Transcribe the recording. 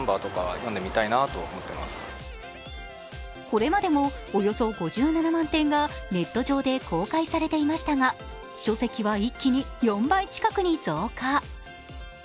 これまでもおよそ５７万点がネット上で公開されていましたが書籍は一気に４倍近くに増加。